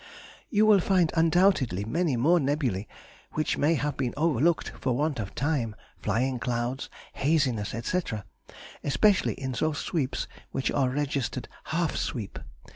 You will find undoubtedly many more nebulæ which may have been overlooked for want of time, flying clouds, haziness, &c., especially in those sweeps which are registered half sweep.